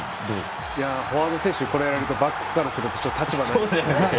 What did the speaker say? フォワードの選手はバックスからすると立場がないですね。